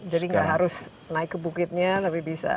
jadi tidak harus naik ke bukitnya tapi bisa